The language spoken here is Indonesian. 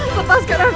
lepaskan aku kanda